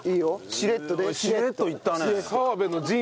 しれっといったね。